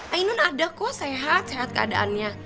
ainun ada kok sehat sehat keadaannya